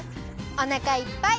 おなかいっぱい！